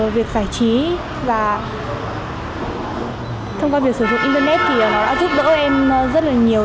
việc giải trí và thông qua việc sử dụng internet thì nó đã giúp đỡ em rất là nhiều